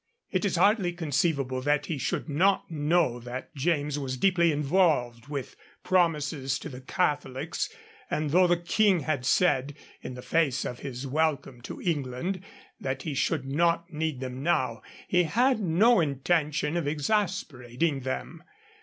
It is hardly conceivable that he should not know that James was deeply involved with promises to the Catholics; and though the King had said, in the face of his welcome to England, that he should not need them now, he had no intention of exasperating them.